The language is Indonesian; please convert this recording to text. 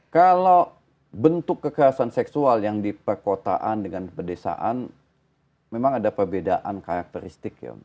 kalau bentuk kekerasan seksual yang di perkotaan dengan pedesaan memang ada perbedaan karakteristik ya